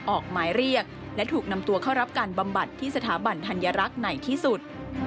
ออกหมายเรียกและถูกนำตัวเข้ารับการบำบัดที่สถาบันธัญรักษ์ไหนที่สุด